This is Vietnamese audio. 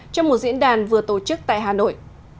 trong một diễn đàn vừa tổ chức tại hà nội